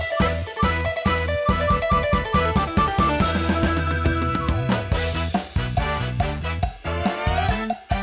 สู้